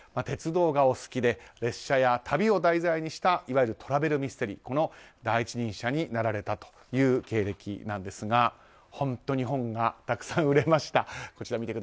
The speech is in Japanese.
鉄道がお好きで列車や旅を題材にしたいわゆるトラベルミステリーの第一人者になられたという経歴ですが本当に本がたくさん売れました。